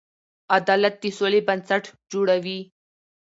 عدالت د سولې بنسټ جوړوي.